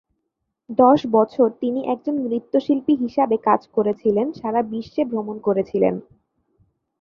দশ বছর, তিনি একজন নৃত্যশিল্পী হিসাবে কাজ করেছিলেন, সারা বিশ্বে ভ্রমণ করেছিলেন।